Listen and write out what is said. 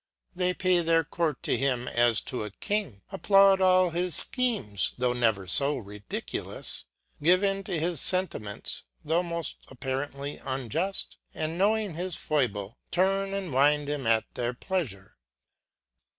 They pay their court to him as to a King, applaud all his fchemes, tho' never fo ridiculous ; give into his fentiments, tho' moft apparently unjufl , and knowing his foible, turn and wind him at their pleafure.